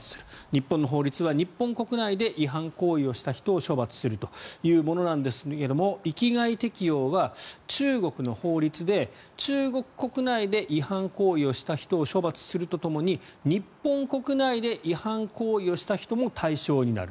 日本の法律は日本国内で違反行為をした人を処罰するものなんですが域外適用は、中国の法律で中国国内で違反行為をした人を処罰するとともに日本国内で違反行為をした人も対象になる。